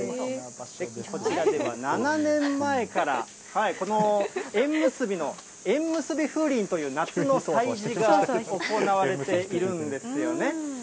こちらでは７年前から、この縁結びの、縁むすび風鈴という夏の祭事が行われているんですよね。